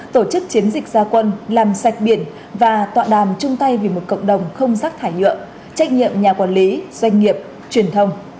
tổ chức chiến dịch gia quân làm sạch biển và tọa đàm chung tay vì một cộng đồng không rác thải nhựa trách nhiệm nhà quản lý doanh nghiệp truyền thông